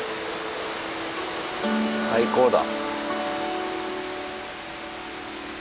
最高だ。